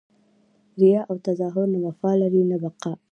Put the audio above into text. ریاء او تظاهر نه وفا لري نه بقاء!